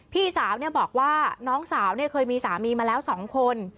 พี่สาวบอกว่าน้องสาวเคยมีสามีมาแล้ว๒คน